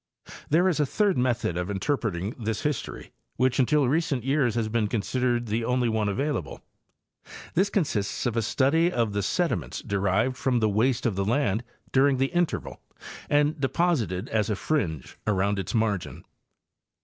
There is a third method of interpreting this history, which until recent years has been considered the only one available; this consists of a study 98 Hayes and Campbell—Appalachian Geomorphology. of the sediments derived from the waste of the land during the interval and deposited as a fringe around its margin.